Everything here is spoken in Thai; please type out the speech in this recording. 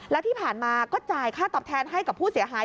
แล้วที่ผ่านมาก็จ่ายค่าตอบแทนให้กับผู้เสียหาย